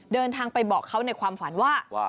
เดินทางไปบอกเขาในความฝันว่า